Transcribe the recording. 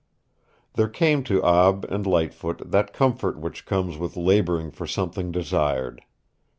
There came to Ab and Lightfoot that comfort which comes with laboring for something desired.